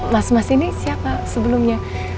mas mas ini siapa sebelumnya